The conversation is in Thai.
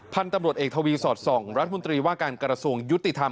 พันธุ์ตำรวจเอกทวีสอดส่องรัฐมนตรีว่าการกระทรวงยุติธรรม